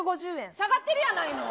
下がってるやないの。